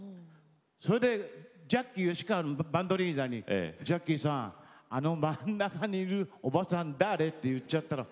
それでジャッキー吉川のバンドリーダーに「ジャッキーさんあの真ん中にいるおばさん誰？」って言っちゃったの。